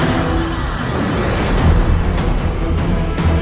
aku akan menang